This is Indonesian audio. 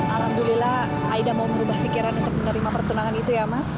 alhamdulillah aida mau berubah pikiran untuk menerima pertunangan itu ya mas